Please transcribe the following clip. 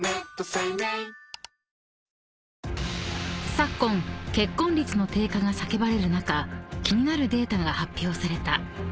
［昨今結婚率の低下が叫ばれる中気になるデータが発表された］